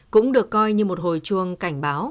cũng được coi như một hồi chuông cảnh báo